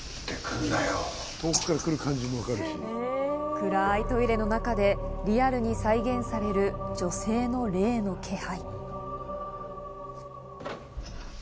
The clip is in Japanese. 暗いトイレの中でリアルに再現される女性の霊の気配。